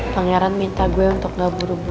pangeran minta gue untuk ngebukainya